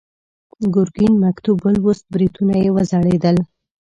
ګرګين مکتوب ولوست، برېتونه يې وځړېدل.